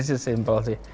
ini sih simple sih